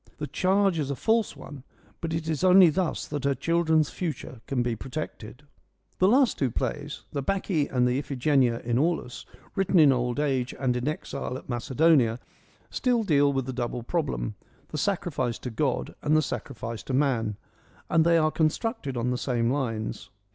The charge is a false one, but it is only thus that her children's future can be protected. The last two plays, the Bacchae and the Iphigenia in Aulis, written in old age and in exile at Macedonia, still deal with the double problem, the sacrifice EURIPIDES in to God and the sacrifice to man ; and they are constructed on the same lines.